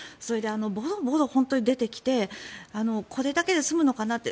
ボロボロ本当に出てきてこれだけで済むのかなって。